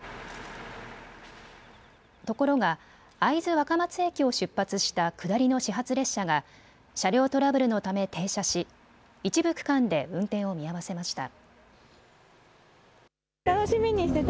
ところが会津若松駅を出発した下りの始発列車が車両トラブルのため停車し一部区間で運転を見合わせました。